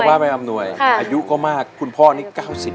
สุขภาพไม่อำนวยค่ะอายุก็มากคุณพ่อนี้เก้าสิบ